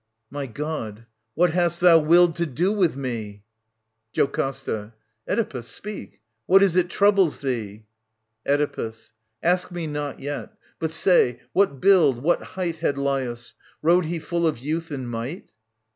My God, what hast thou willed to do with me ? JoCASTA. Oedipus, speak ! What is it troubles thee ? Oedipus. Ask me not yet. But say, what build, what height Had Laius ? Rode he full of youth and might